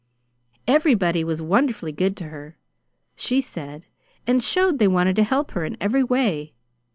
Everybody was wonderfully good to her, she said, and showed they wanted to help her in every way.